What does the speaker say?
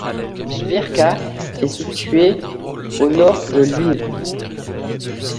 Jvyrka est située à au nord de Lviv.